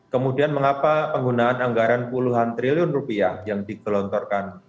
kemudian mengapa penggunaan anggaran puluhan triliun rupiah yang digelontorkan